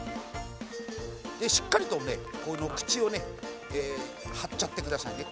しっかりとねこの口をね貼っちゃってくださいね。